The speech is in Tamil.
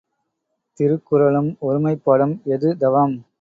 திருக்குறளும் ஒருமைப்பாடும் எது தவம்?